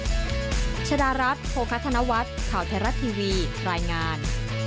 บัญชรารัฐโฆษธนวัตรข่าวเทราะทีวีรายงาน